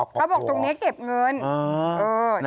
เขาบอกตรงนี้เก็บเงิน